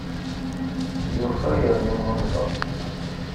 Yufa yerna iɣunfa!